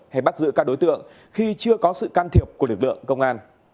hay bắt giữ các đối tượng khi chưa có sự can thiệp của lực lượng công an